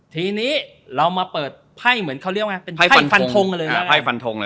ทีนี้เรามาเปิดไพ่แบบเอาไว้เรียวไงแบบไพ่ฟันทงเลย